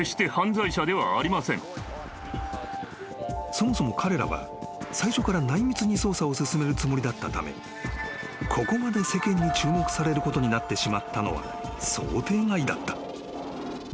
［そもそも彼らは最初から内密に捜査を進めるつもりだったためここまで世間に注目されることになってしまったのは想定外だった］